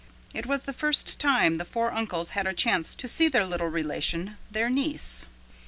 It was the first time the four uncles had a chance to see their little relation, their niece.